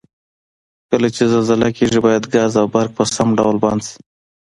کله چې زلزله کیږي باید ګاز او برق په سم ډول بند شي؟